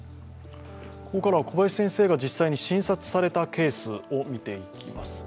ここからは小林先生が実際に診察されたケースを見ていきます。